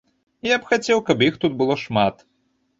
Я б хацеў, каб іх тут было шмат.